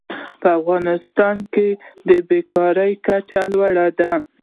په افغانستان کې د بېکارۍ کچه لوړه ده.